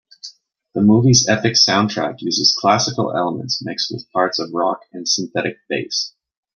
The movie's epic soundtrack uses classical elements mixed with parts of rock and synthetic bass.